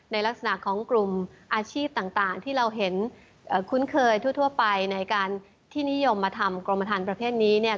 ในลักษณะของกลุ่มอาชีพต่างที่เราเห็นคุ้นเคยทั่วไปในการที่นิยมมาทำกรมฐานประเภทนี้เนี่ย